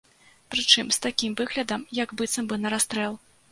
Прычым з такім выглядам, як быццам бы на расстрэл.